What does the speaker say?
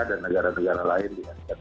dan negara negara lain